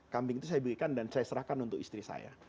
kambing itu saya berikan dan saya serahkan untuk istri saya